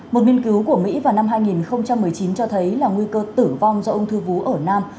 một nghiên cứu của mỹ vào năm hai nghìn một mươi chín cho thấy là nguy cơ tử vong do ung thư vú ở nam